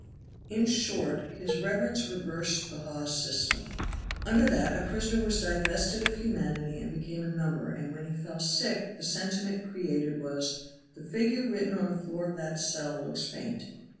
In short, his reverence reversed the Hawes system. Under that a prisoner was divested of humanity and became a number and when he fell sick the sentiment created was, "The figure written on the floor of that cell looks faint."